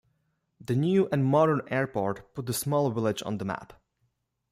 The new and modern airport put the small village on the map.